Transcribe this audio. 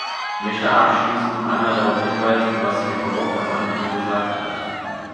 Ich möchte abschließend noch einmal darauf hinweisen, was Herr Brok am Anfang gesagt hat.